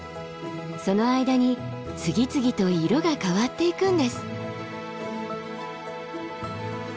その間に次々と色が変わっていくんです。